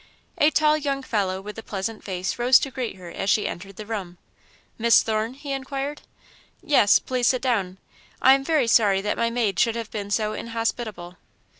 A tall young fellow with a pleasant face rose to greet her as she entered the room. "Miss Thorne?" he inquired. "Yes please sit down. I am very sorry that my maid should have been so inhospitable."